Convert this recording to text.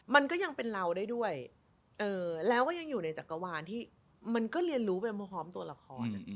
มันก็ยังเป็นเราได้ด้วยแล้วก็ยังอยู่ในจักรวาลที่มันก็เรียนรู้ไปพร้อมตัวละคร